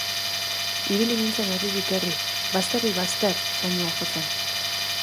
Ibili nintzen herririk herri, bazterrik bazter soinua jotzen.